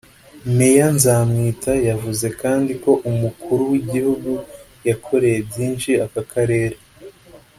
Meya Nzamwita yavuze kandi ko Umukuru w’igihugu yakoreye byinshi aka Karere